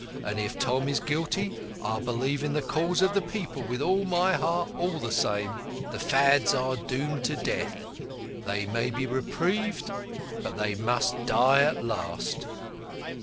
And if Tom is guilty I believe in the Cause of the People with all my heart all the same. The Fads are doomed to death, they may be reprieved, but they must die at last."